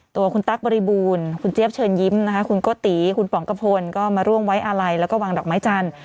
ตัวคุณตั๊กบริบูรณ์คุณเจี๊ยบเชิญยิ้มนะคะคุณโกติคุณป๋องกระพลก็มาร่วมไว้อาลัยแล้วก็วางดอกไม้จันทร์